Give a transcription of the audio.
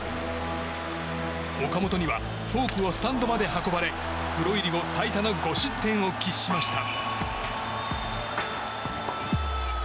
岡本にはフォークをスタンドまで運ばれプロ入り後、最多の５失点を喫しました。